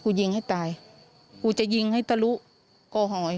ยิงให้ตายกูจะยิงให้ตะลุกอหอย